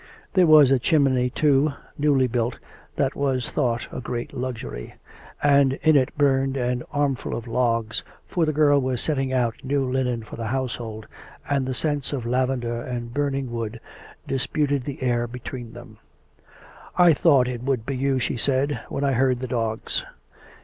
There was a chimney, too, newly built, that was thought a great luxury; and in it burned an arm ful of logs, for the girl was setting out new linen for the household, and the scents of lavender and burning wood disputed the air between them. " I thought it would be you," she said, " when I heard the dogs."